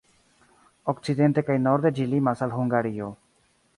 Okcidente kaj norde ĝi limas al Hungario.